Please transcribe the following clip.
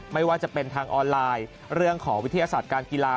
ไม่ว่าจะเป็นทางออนไลน์เรื่องของวิทยาศาสตร์การกีฬา